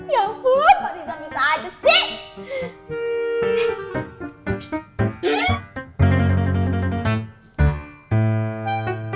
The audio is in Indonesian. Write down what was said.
ya ampun pak nisa minta aja sih